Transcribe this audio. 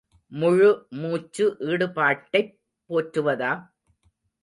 முழு மூச்சு ஈடுபாட்டைப் போற்றுவதா?